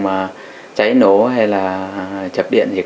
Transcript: mà cháy nổ hay là chập điện gì cả